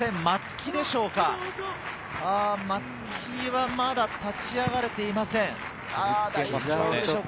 松木はまだ立ち上がれていません。